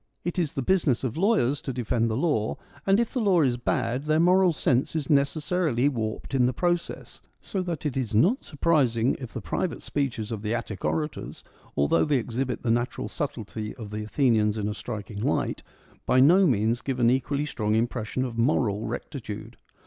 It is the business of lawyers to defend the law, and, if the law is bad, their moral sense is necessarily warped in the process ; so that it is not surprising if the private speeches of the Attic orators, although they exhibit the natural subtlety of the Athenians in a striking light, by no means give an equally strong impression of moral rectitude.